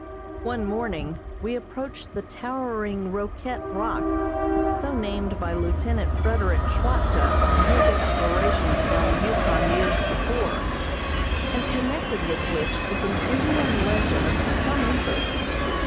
One morning we approached the towering Roquett Rock, so named by Lieutenant Frederick Schwatka in his explorations down the Yukon years before, and connected with which is an Indian legend of some interest.